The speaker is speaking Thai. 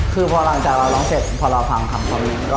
คือพอหลังจากเราร้องเสร็จพอเราฟังคำคอมเมนต์